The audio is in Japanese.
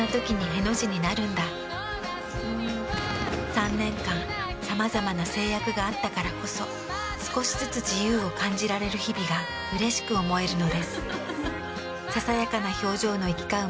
３年間さまざまな制約があったからこそ少しずつ自由を感じられる日々がうれしく思えるのです。